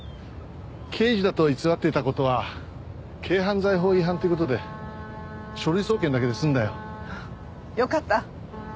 刑事だと偽っていた事は軽犯罪法違反という事で書類送検だけで済んだよ。よかった。